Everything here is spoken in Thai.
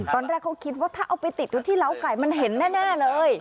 ตอนแรกเขาคิดว่าถ้าเอาไปติดอยู่ที่เล้าไก่มันเห็นแน่เลย